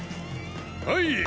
はい！